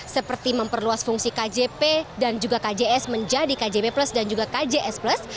seperti memperluas fungsi kjp dan juga kjs menjadi kjp plus dan juga kjs plus